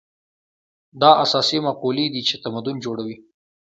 دا اساسي مقولې دي چې تمدن جوړوي.